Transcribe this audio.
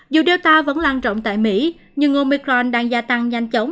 dù delta vẫn lan rộng tại mỹ nhưng omicron đang gia tăng nhanh chóng